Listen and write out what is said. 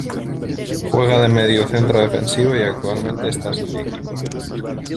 Juega de mediocentro defensivo y actualmente está sin equipo.